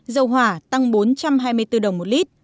dầu hỏa tăng bốn trăm hai mươi bốn đồng một lít